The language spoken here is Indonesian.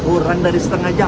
kurang dari setengah jam